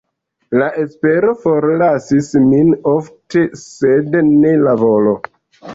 La espero forlasis min ofte, sed ne la volo.